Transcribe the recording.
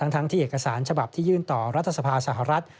ทั้งที่เอกสารฉบับที่ยื่นต่อรัฐสภาสหรัฐ